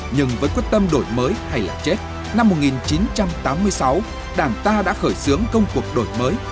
nhưng với quyết tâm đổi mới hay là chết năm một nghìn chín trăm tám mươi sáu đảng ta đã khởi xướng công cuộc đổi mới